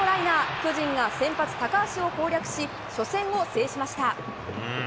巨人が先発、高橋を攻略し初戦を制しました。